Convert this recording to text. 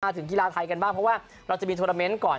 ถึงกีฬาไทยกันบ้างเพราะว่าเราจะมีโทรเมนต์ก่อน